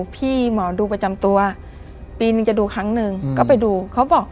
พี่หมอดูประจำตัวปีนึงจะดูครั้งหนึ่งก็ไปดูเขาบอก